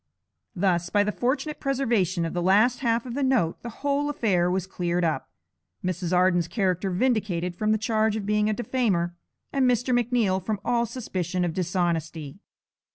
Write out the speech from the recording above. Thus by the fortunate preservation of the last half of the note the whole affair was cleared up, Mrs. Arden's character vindicated from the charge of being a defamer, and Mr. McNeal from all suspicion of dishonesty.